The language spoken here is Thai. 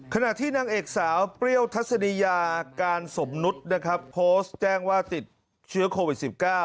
ขณะที่นางเอกสาวเปรี้ยวทัศนียาการสมนุษย์นะครับโพสต์แจ้งว่าติดเชื้อโควิด๑๙